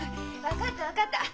分かった分かった。